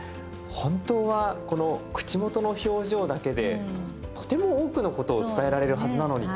本当はこの口元の表情だけでとても多くのことを伝えられるはずなのにって思いますよね。